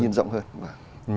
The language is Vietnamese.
nhìn rộng hơn